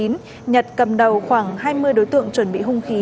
nhật cầm đầu khoảng hai mươi đối tượng chuẩn bị hung khí